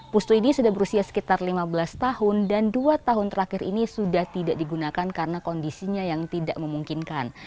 pustu ini sudah berusia sekitar lima belas tahun dan dua tahun terakhir ini sudah tidak digunakan karena kondisinya yang tidak memungkinkan